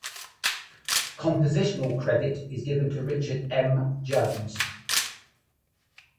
Compositional credit is given to Richard M. Jones.